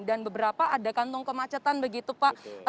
dan beberapa ada kantung kemacetan begitu pak